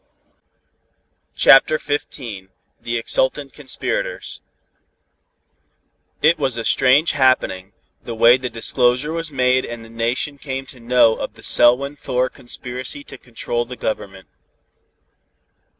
CHAPTER XV THE EXULTANT CONSPIRATORS It was a strange happening, the way the disclosure was made and the Nation came to know of the Selwyn Thor conspiracy to control the government.